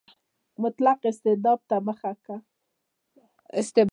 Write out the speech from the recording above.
مطلق استبداد ته مخه کړه.